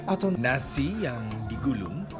atau nasi yang digulung